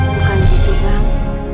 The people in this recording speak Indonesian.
bukan gitu bang